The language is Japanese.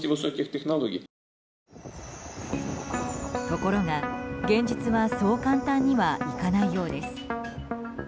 ところが現実はそう簡単にはいかないようです。